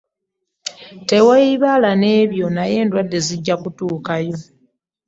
Teweeyibaala n'ebyo nayo endwadde zijja kutuukayo.